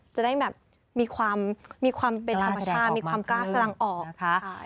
จะได้มีความเป็นธรรมชาติมีความกล้าสร้างออก